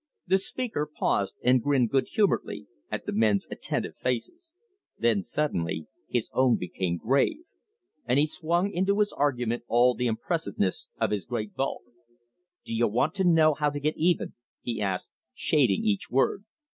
The speaker paused and grinned good humoredly at the men's attentive faces. Then suddenly his own became grave, and he swung into his argument all the impressiveness of his great bulk, "Do you want to know how to get even?" he asked, shading each word.